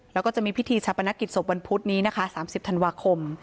แล้วก็จะมีพิธีชาปนกิจศพวันพุธนี้นะคะ๓๐ธันวาคม